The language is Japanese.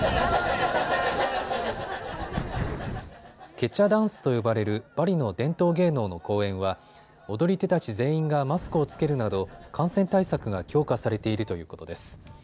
ケチャ・ダンスと呼ばれるバリの伝統芸能の公演は踊り手たち全員がマスクを着けるなど感染対策が強化されているということです。